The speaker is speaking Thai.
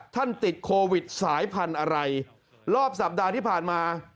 ติดโควิดสายพันธุ์อะไรรอบสัปดาห์ที่ผ่านมา